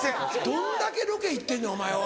どんだけロケ行ってんねんお前は。